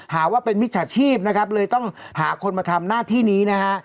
หาว่าเป็นมิจฉาชีพนะครับเลยต้องหาคนมาทำหน้าที่นี้นะฮะ